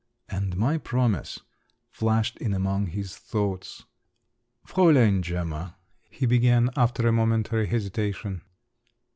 "And my promise!" flashed in among his thoughts. "Fräulein Gemma …" he began after a momentary hesitation.